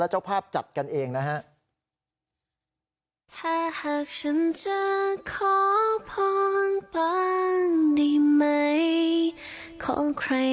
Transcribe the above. เจ้าภาพจัดกันเองนะฮะ